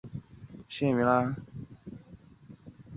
入清后以字行。